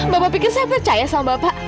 bapak pikir saya percaya sama bapak